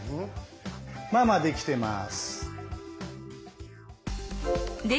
ママできてます。